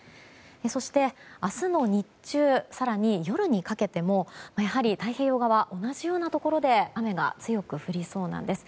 そして、明日の日中更に夜にかけてもやはり太平洋側、同じところで雨が強く降りそうなんです。